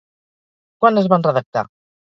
Quan es van redactar?